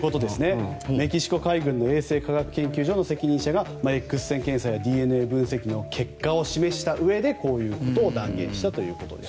メキシコ海軍の責任者がＸ線検査やＤＮＡ分析の結果を示したうえでこういうことを断言したということです。